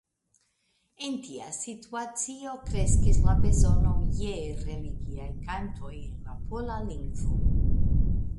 En tia situacio kreskis la bezono je religiaj kantoj en la pola lingvo.